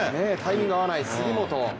タイミング合わない、杉本。